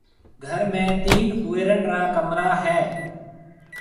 گھر ۾ تين ھوئيرڻ را ڪمرا ھيََََ